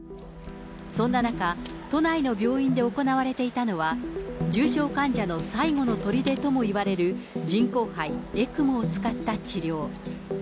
そんな中、都内の病院で行われていたのは、重症患者の最後のとりでともいわれる人工肺・ＥＣＭＯを使った治療。